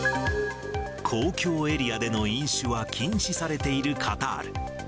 公共エリアでの飲酒は禁止されているカタール。